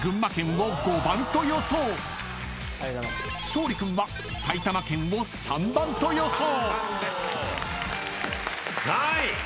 ［勝利君は埼玉県を３番と予想］